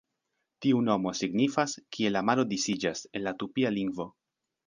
Tiu nomo signifas "Kie la maro disiĝas", en la tupia lingvo.